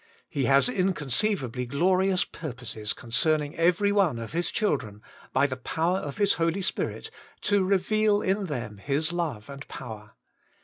He has inconceivably glorious purposes concerning every one of His children, by the power of His Holy Spirit, to reveal in them His love and power.